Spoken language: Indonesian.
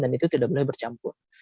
dan itu tidak boleh bercampur